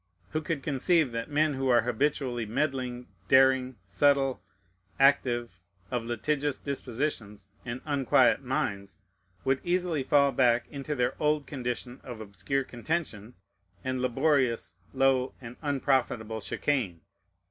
Who could conceive that men who are habitually meddling, daring, subtle, active, of litigious dispositions and unquiet minds, would easily fall back into their old condition of obscure contention, and laborious, low, and unprofitable chicane?